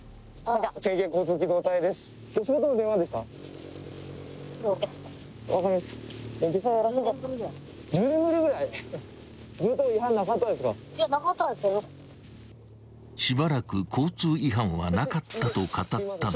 ［しばらく交通違反はなかったと語ったのは］